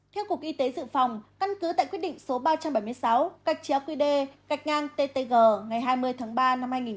theo cục y tế dự phòng căn cứ tại quyết định số ba trăm bảy mươi sáu cạch chế ác quy đề cạch ngang ttg ngày hai mươi tháng ba năm hai nghìn một mươi năm